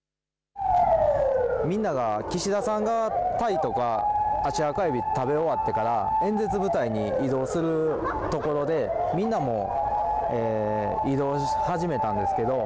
みんなが、岸田さんがタイとか食べ終わってから演説舞台に移動するところでみんなも移動を始めたんですけど